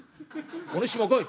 「お主も来い」。